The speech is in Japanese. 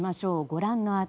ご覧の値。